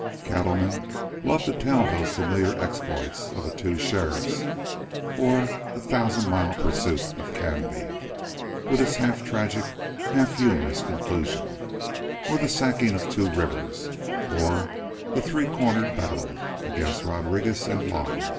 Cattlemen loved to tell those familiar exploits of the "two sheriffs," or that "thousand mile pursuit of Canby," with its half tragic, half humorous conclusion, or the "Sacking of Two Rivers," or the "three cornered battle" against Rodriguez and Blond.